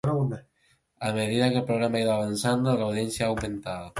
A medida que el programa ha ido avanzando, la audiencia ha aumentado.